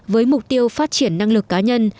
với mục tiêu phát triển năng lực cá nhân